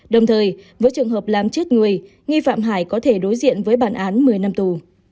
đồng thời với trường hợp làm chết người nghi phạm hải có thể đối diện với bản án một mươi năm tù